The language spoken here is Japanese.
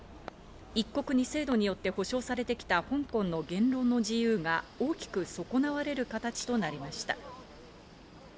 一国二制度によって保障されてきた香港の言論の自由が大きく損なわれる形となりました。